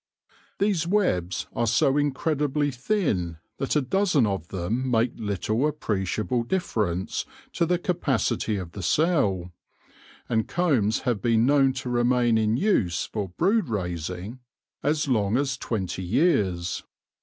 These webs are so incredibly thin that a dozen of them make little appreciable differ ence to the capacity of the cell, and combs have been known to remain in use for brood raising as long as 132 THE LORE OF THE HONEY BEE twenty years.